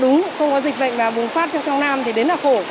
không có dịch bệnh mà bùng phát cho cháu